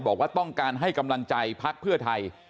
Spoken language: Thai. บอกว่าต้องการให้กำลังใจพักเพื่อไทย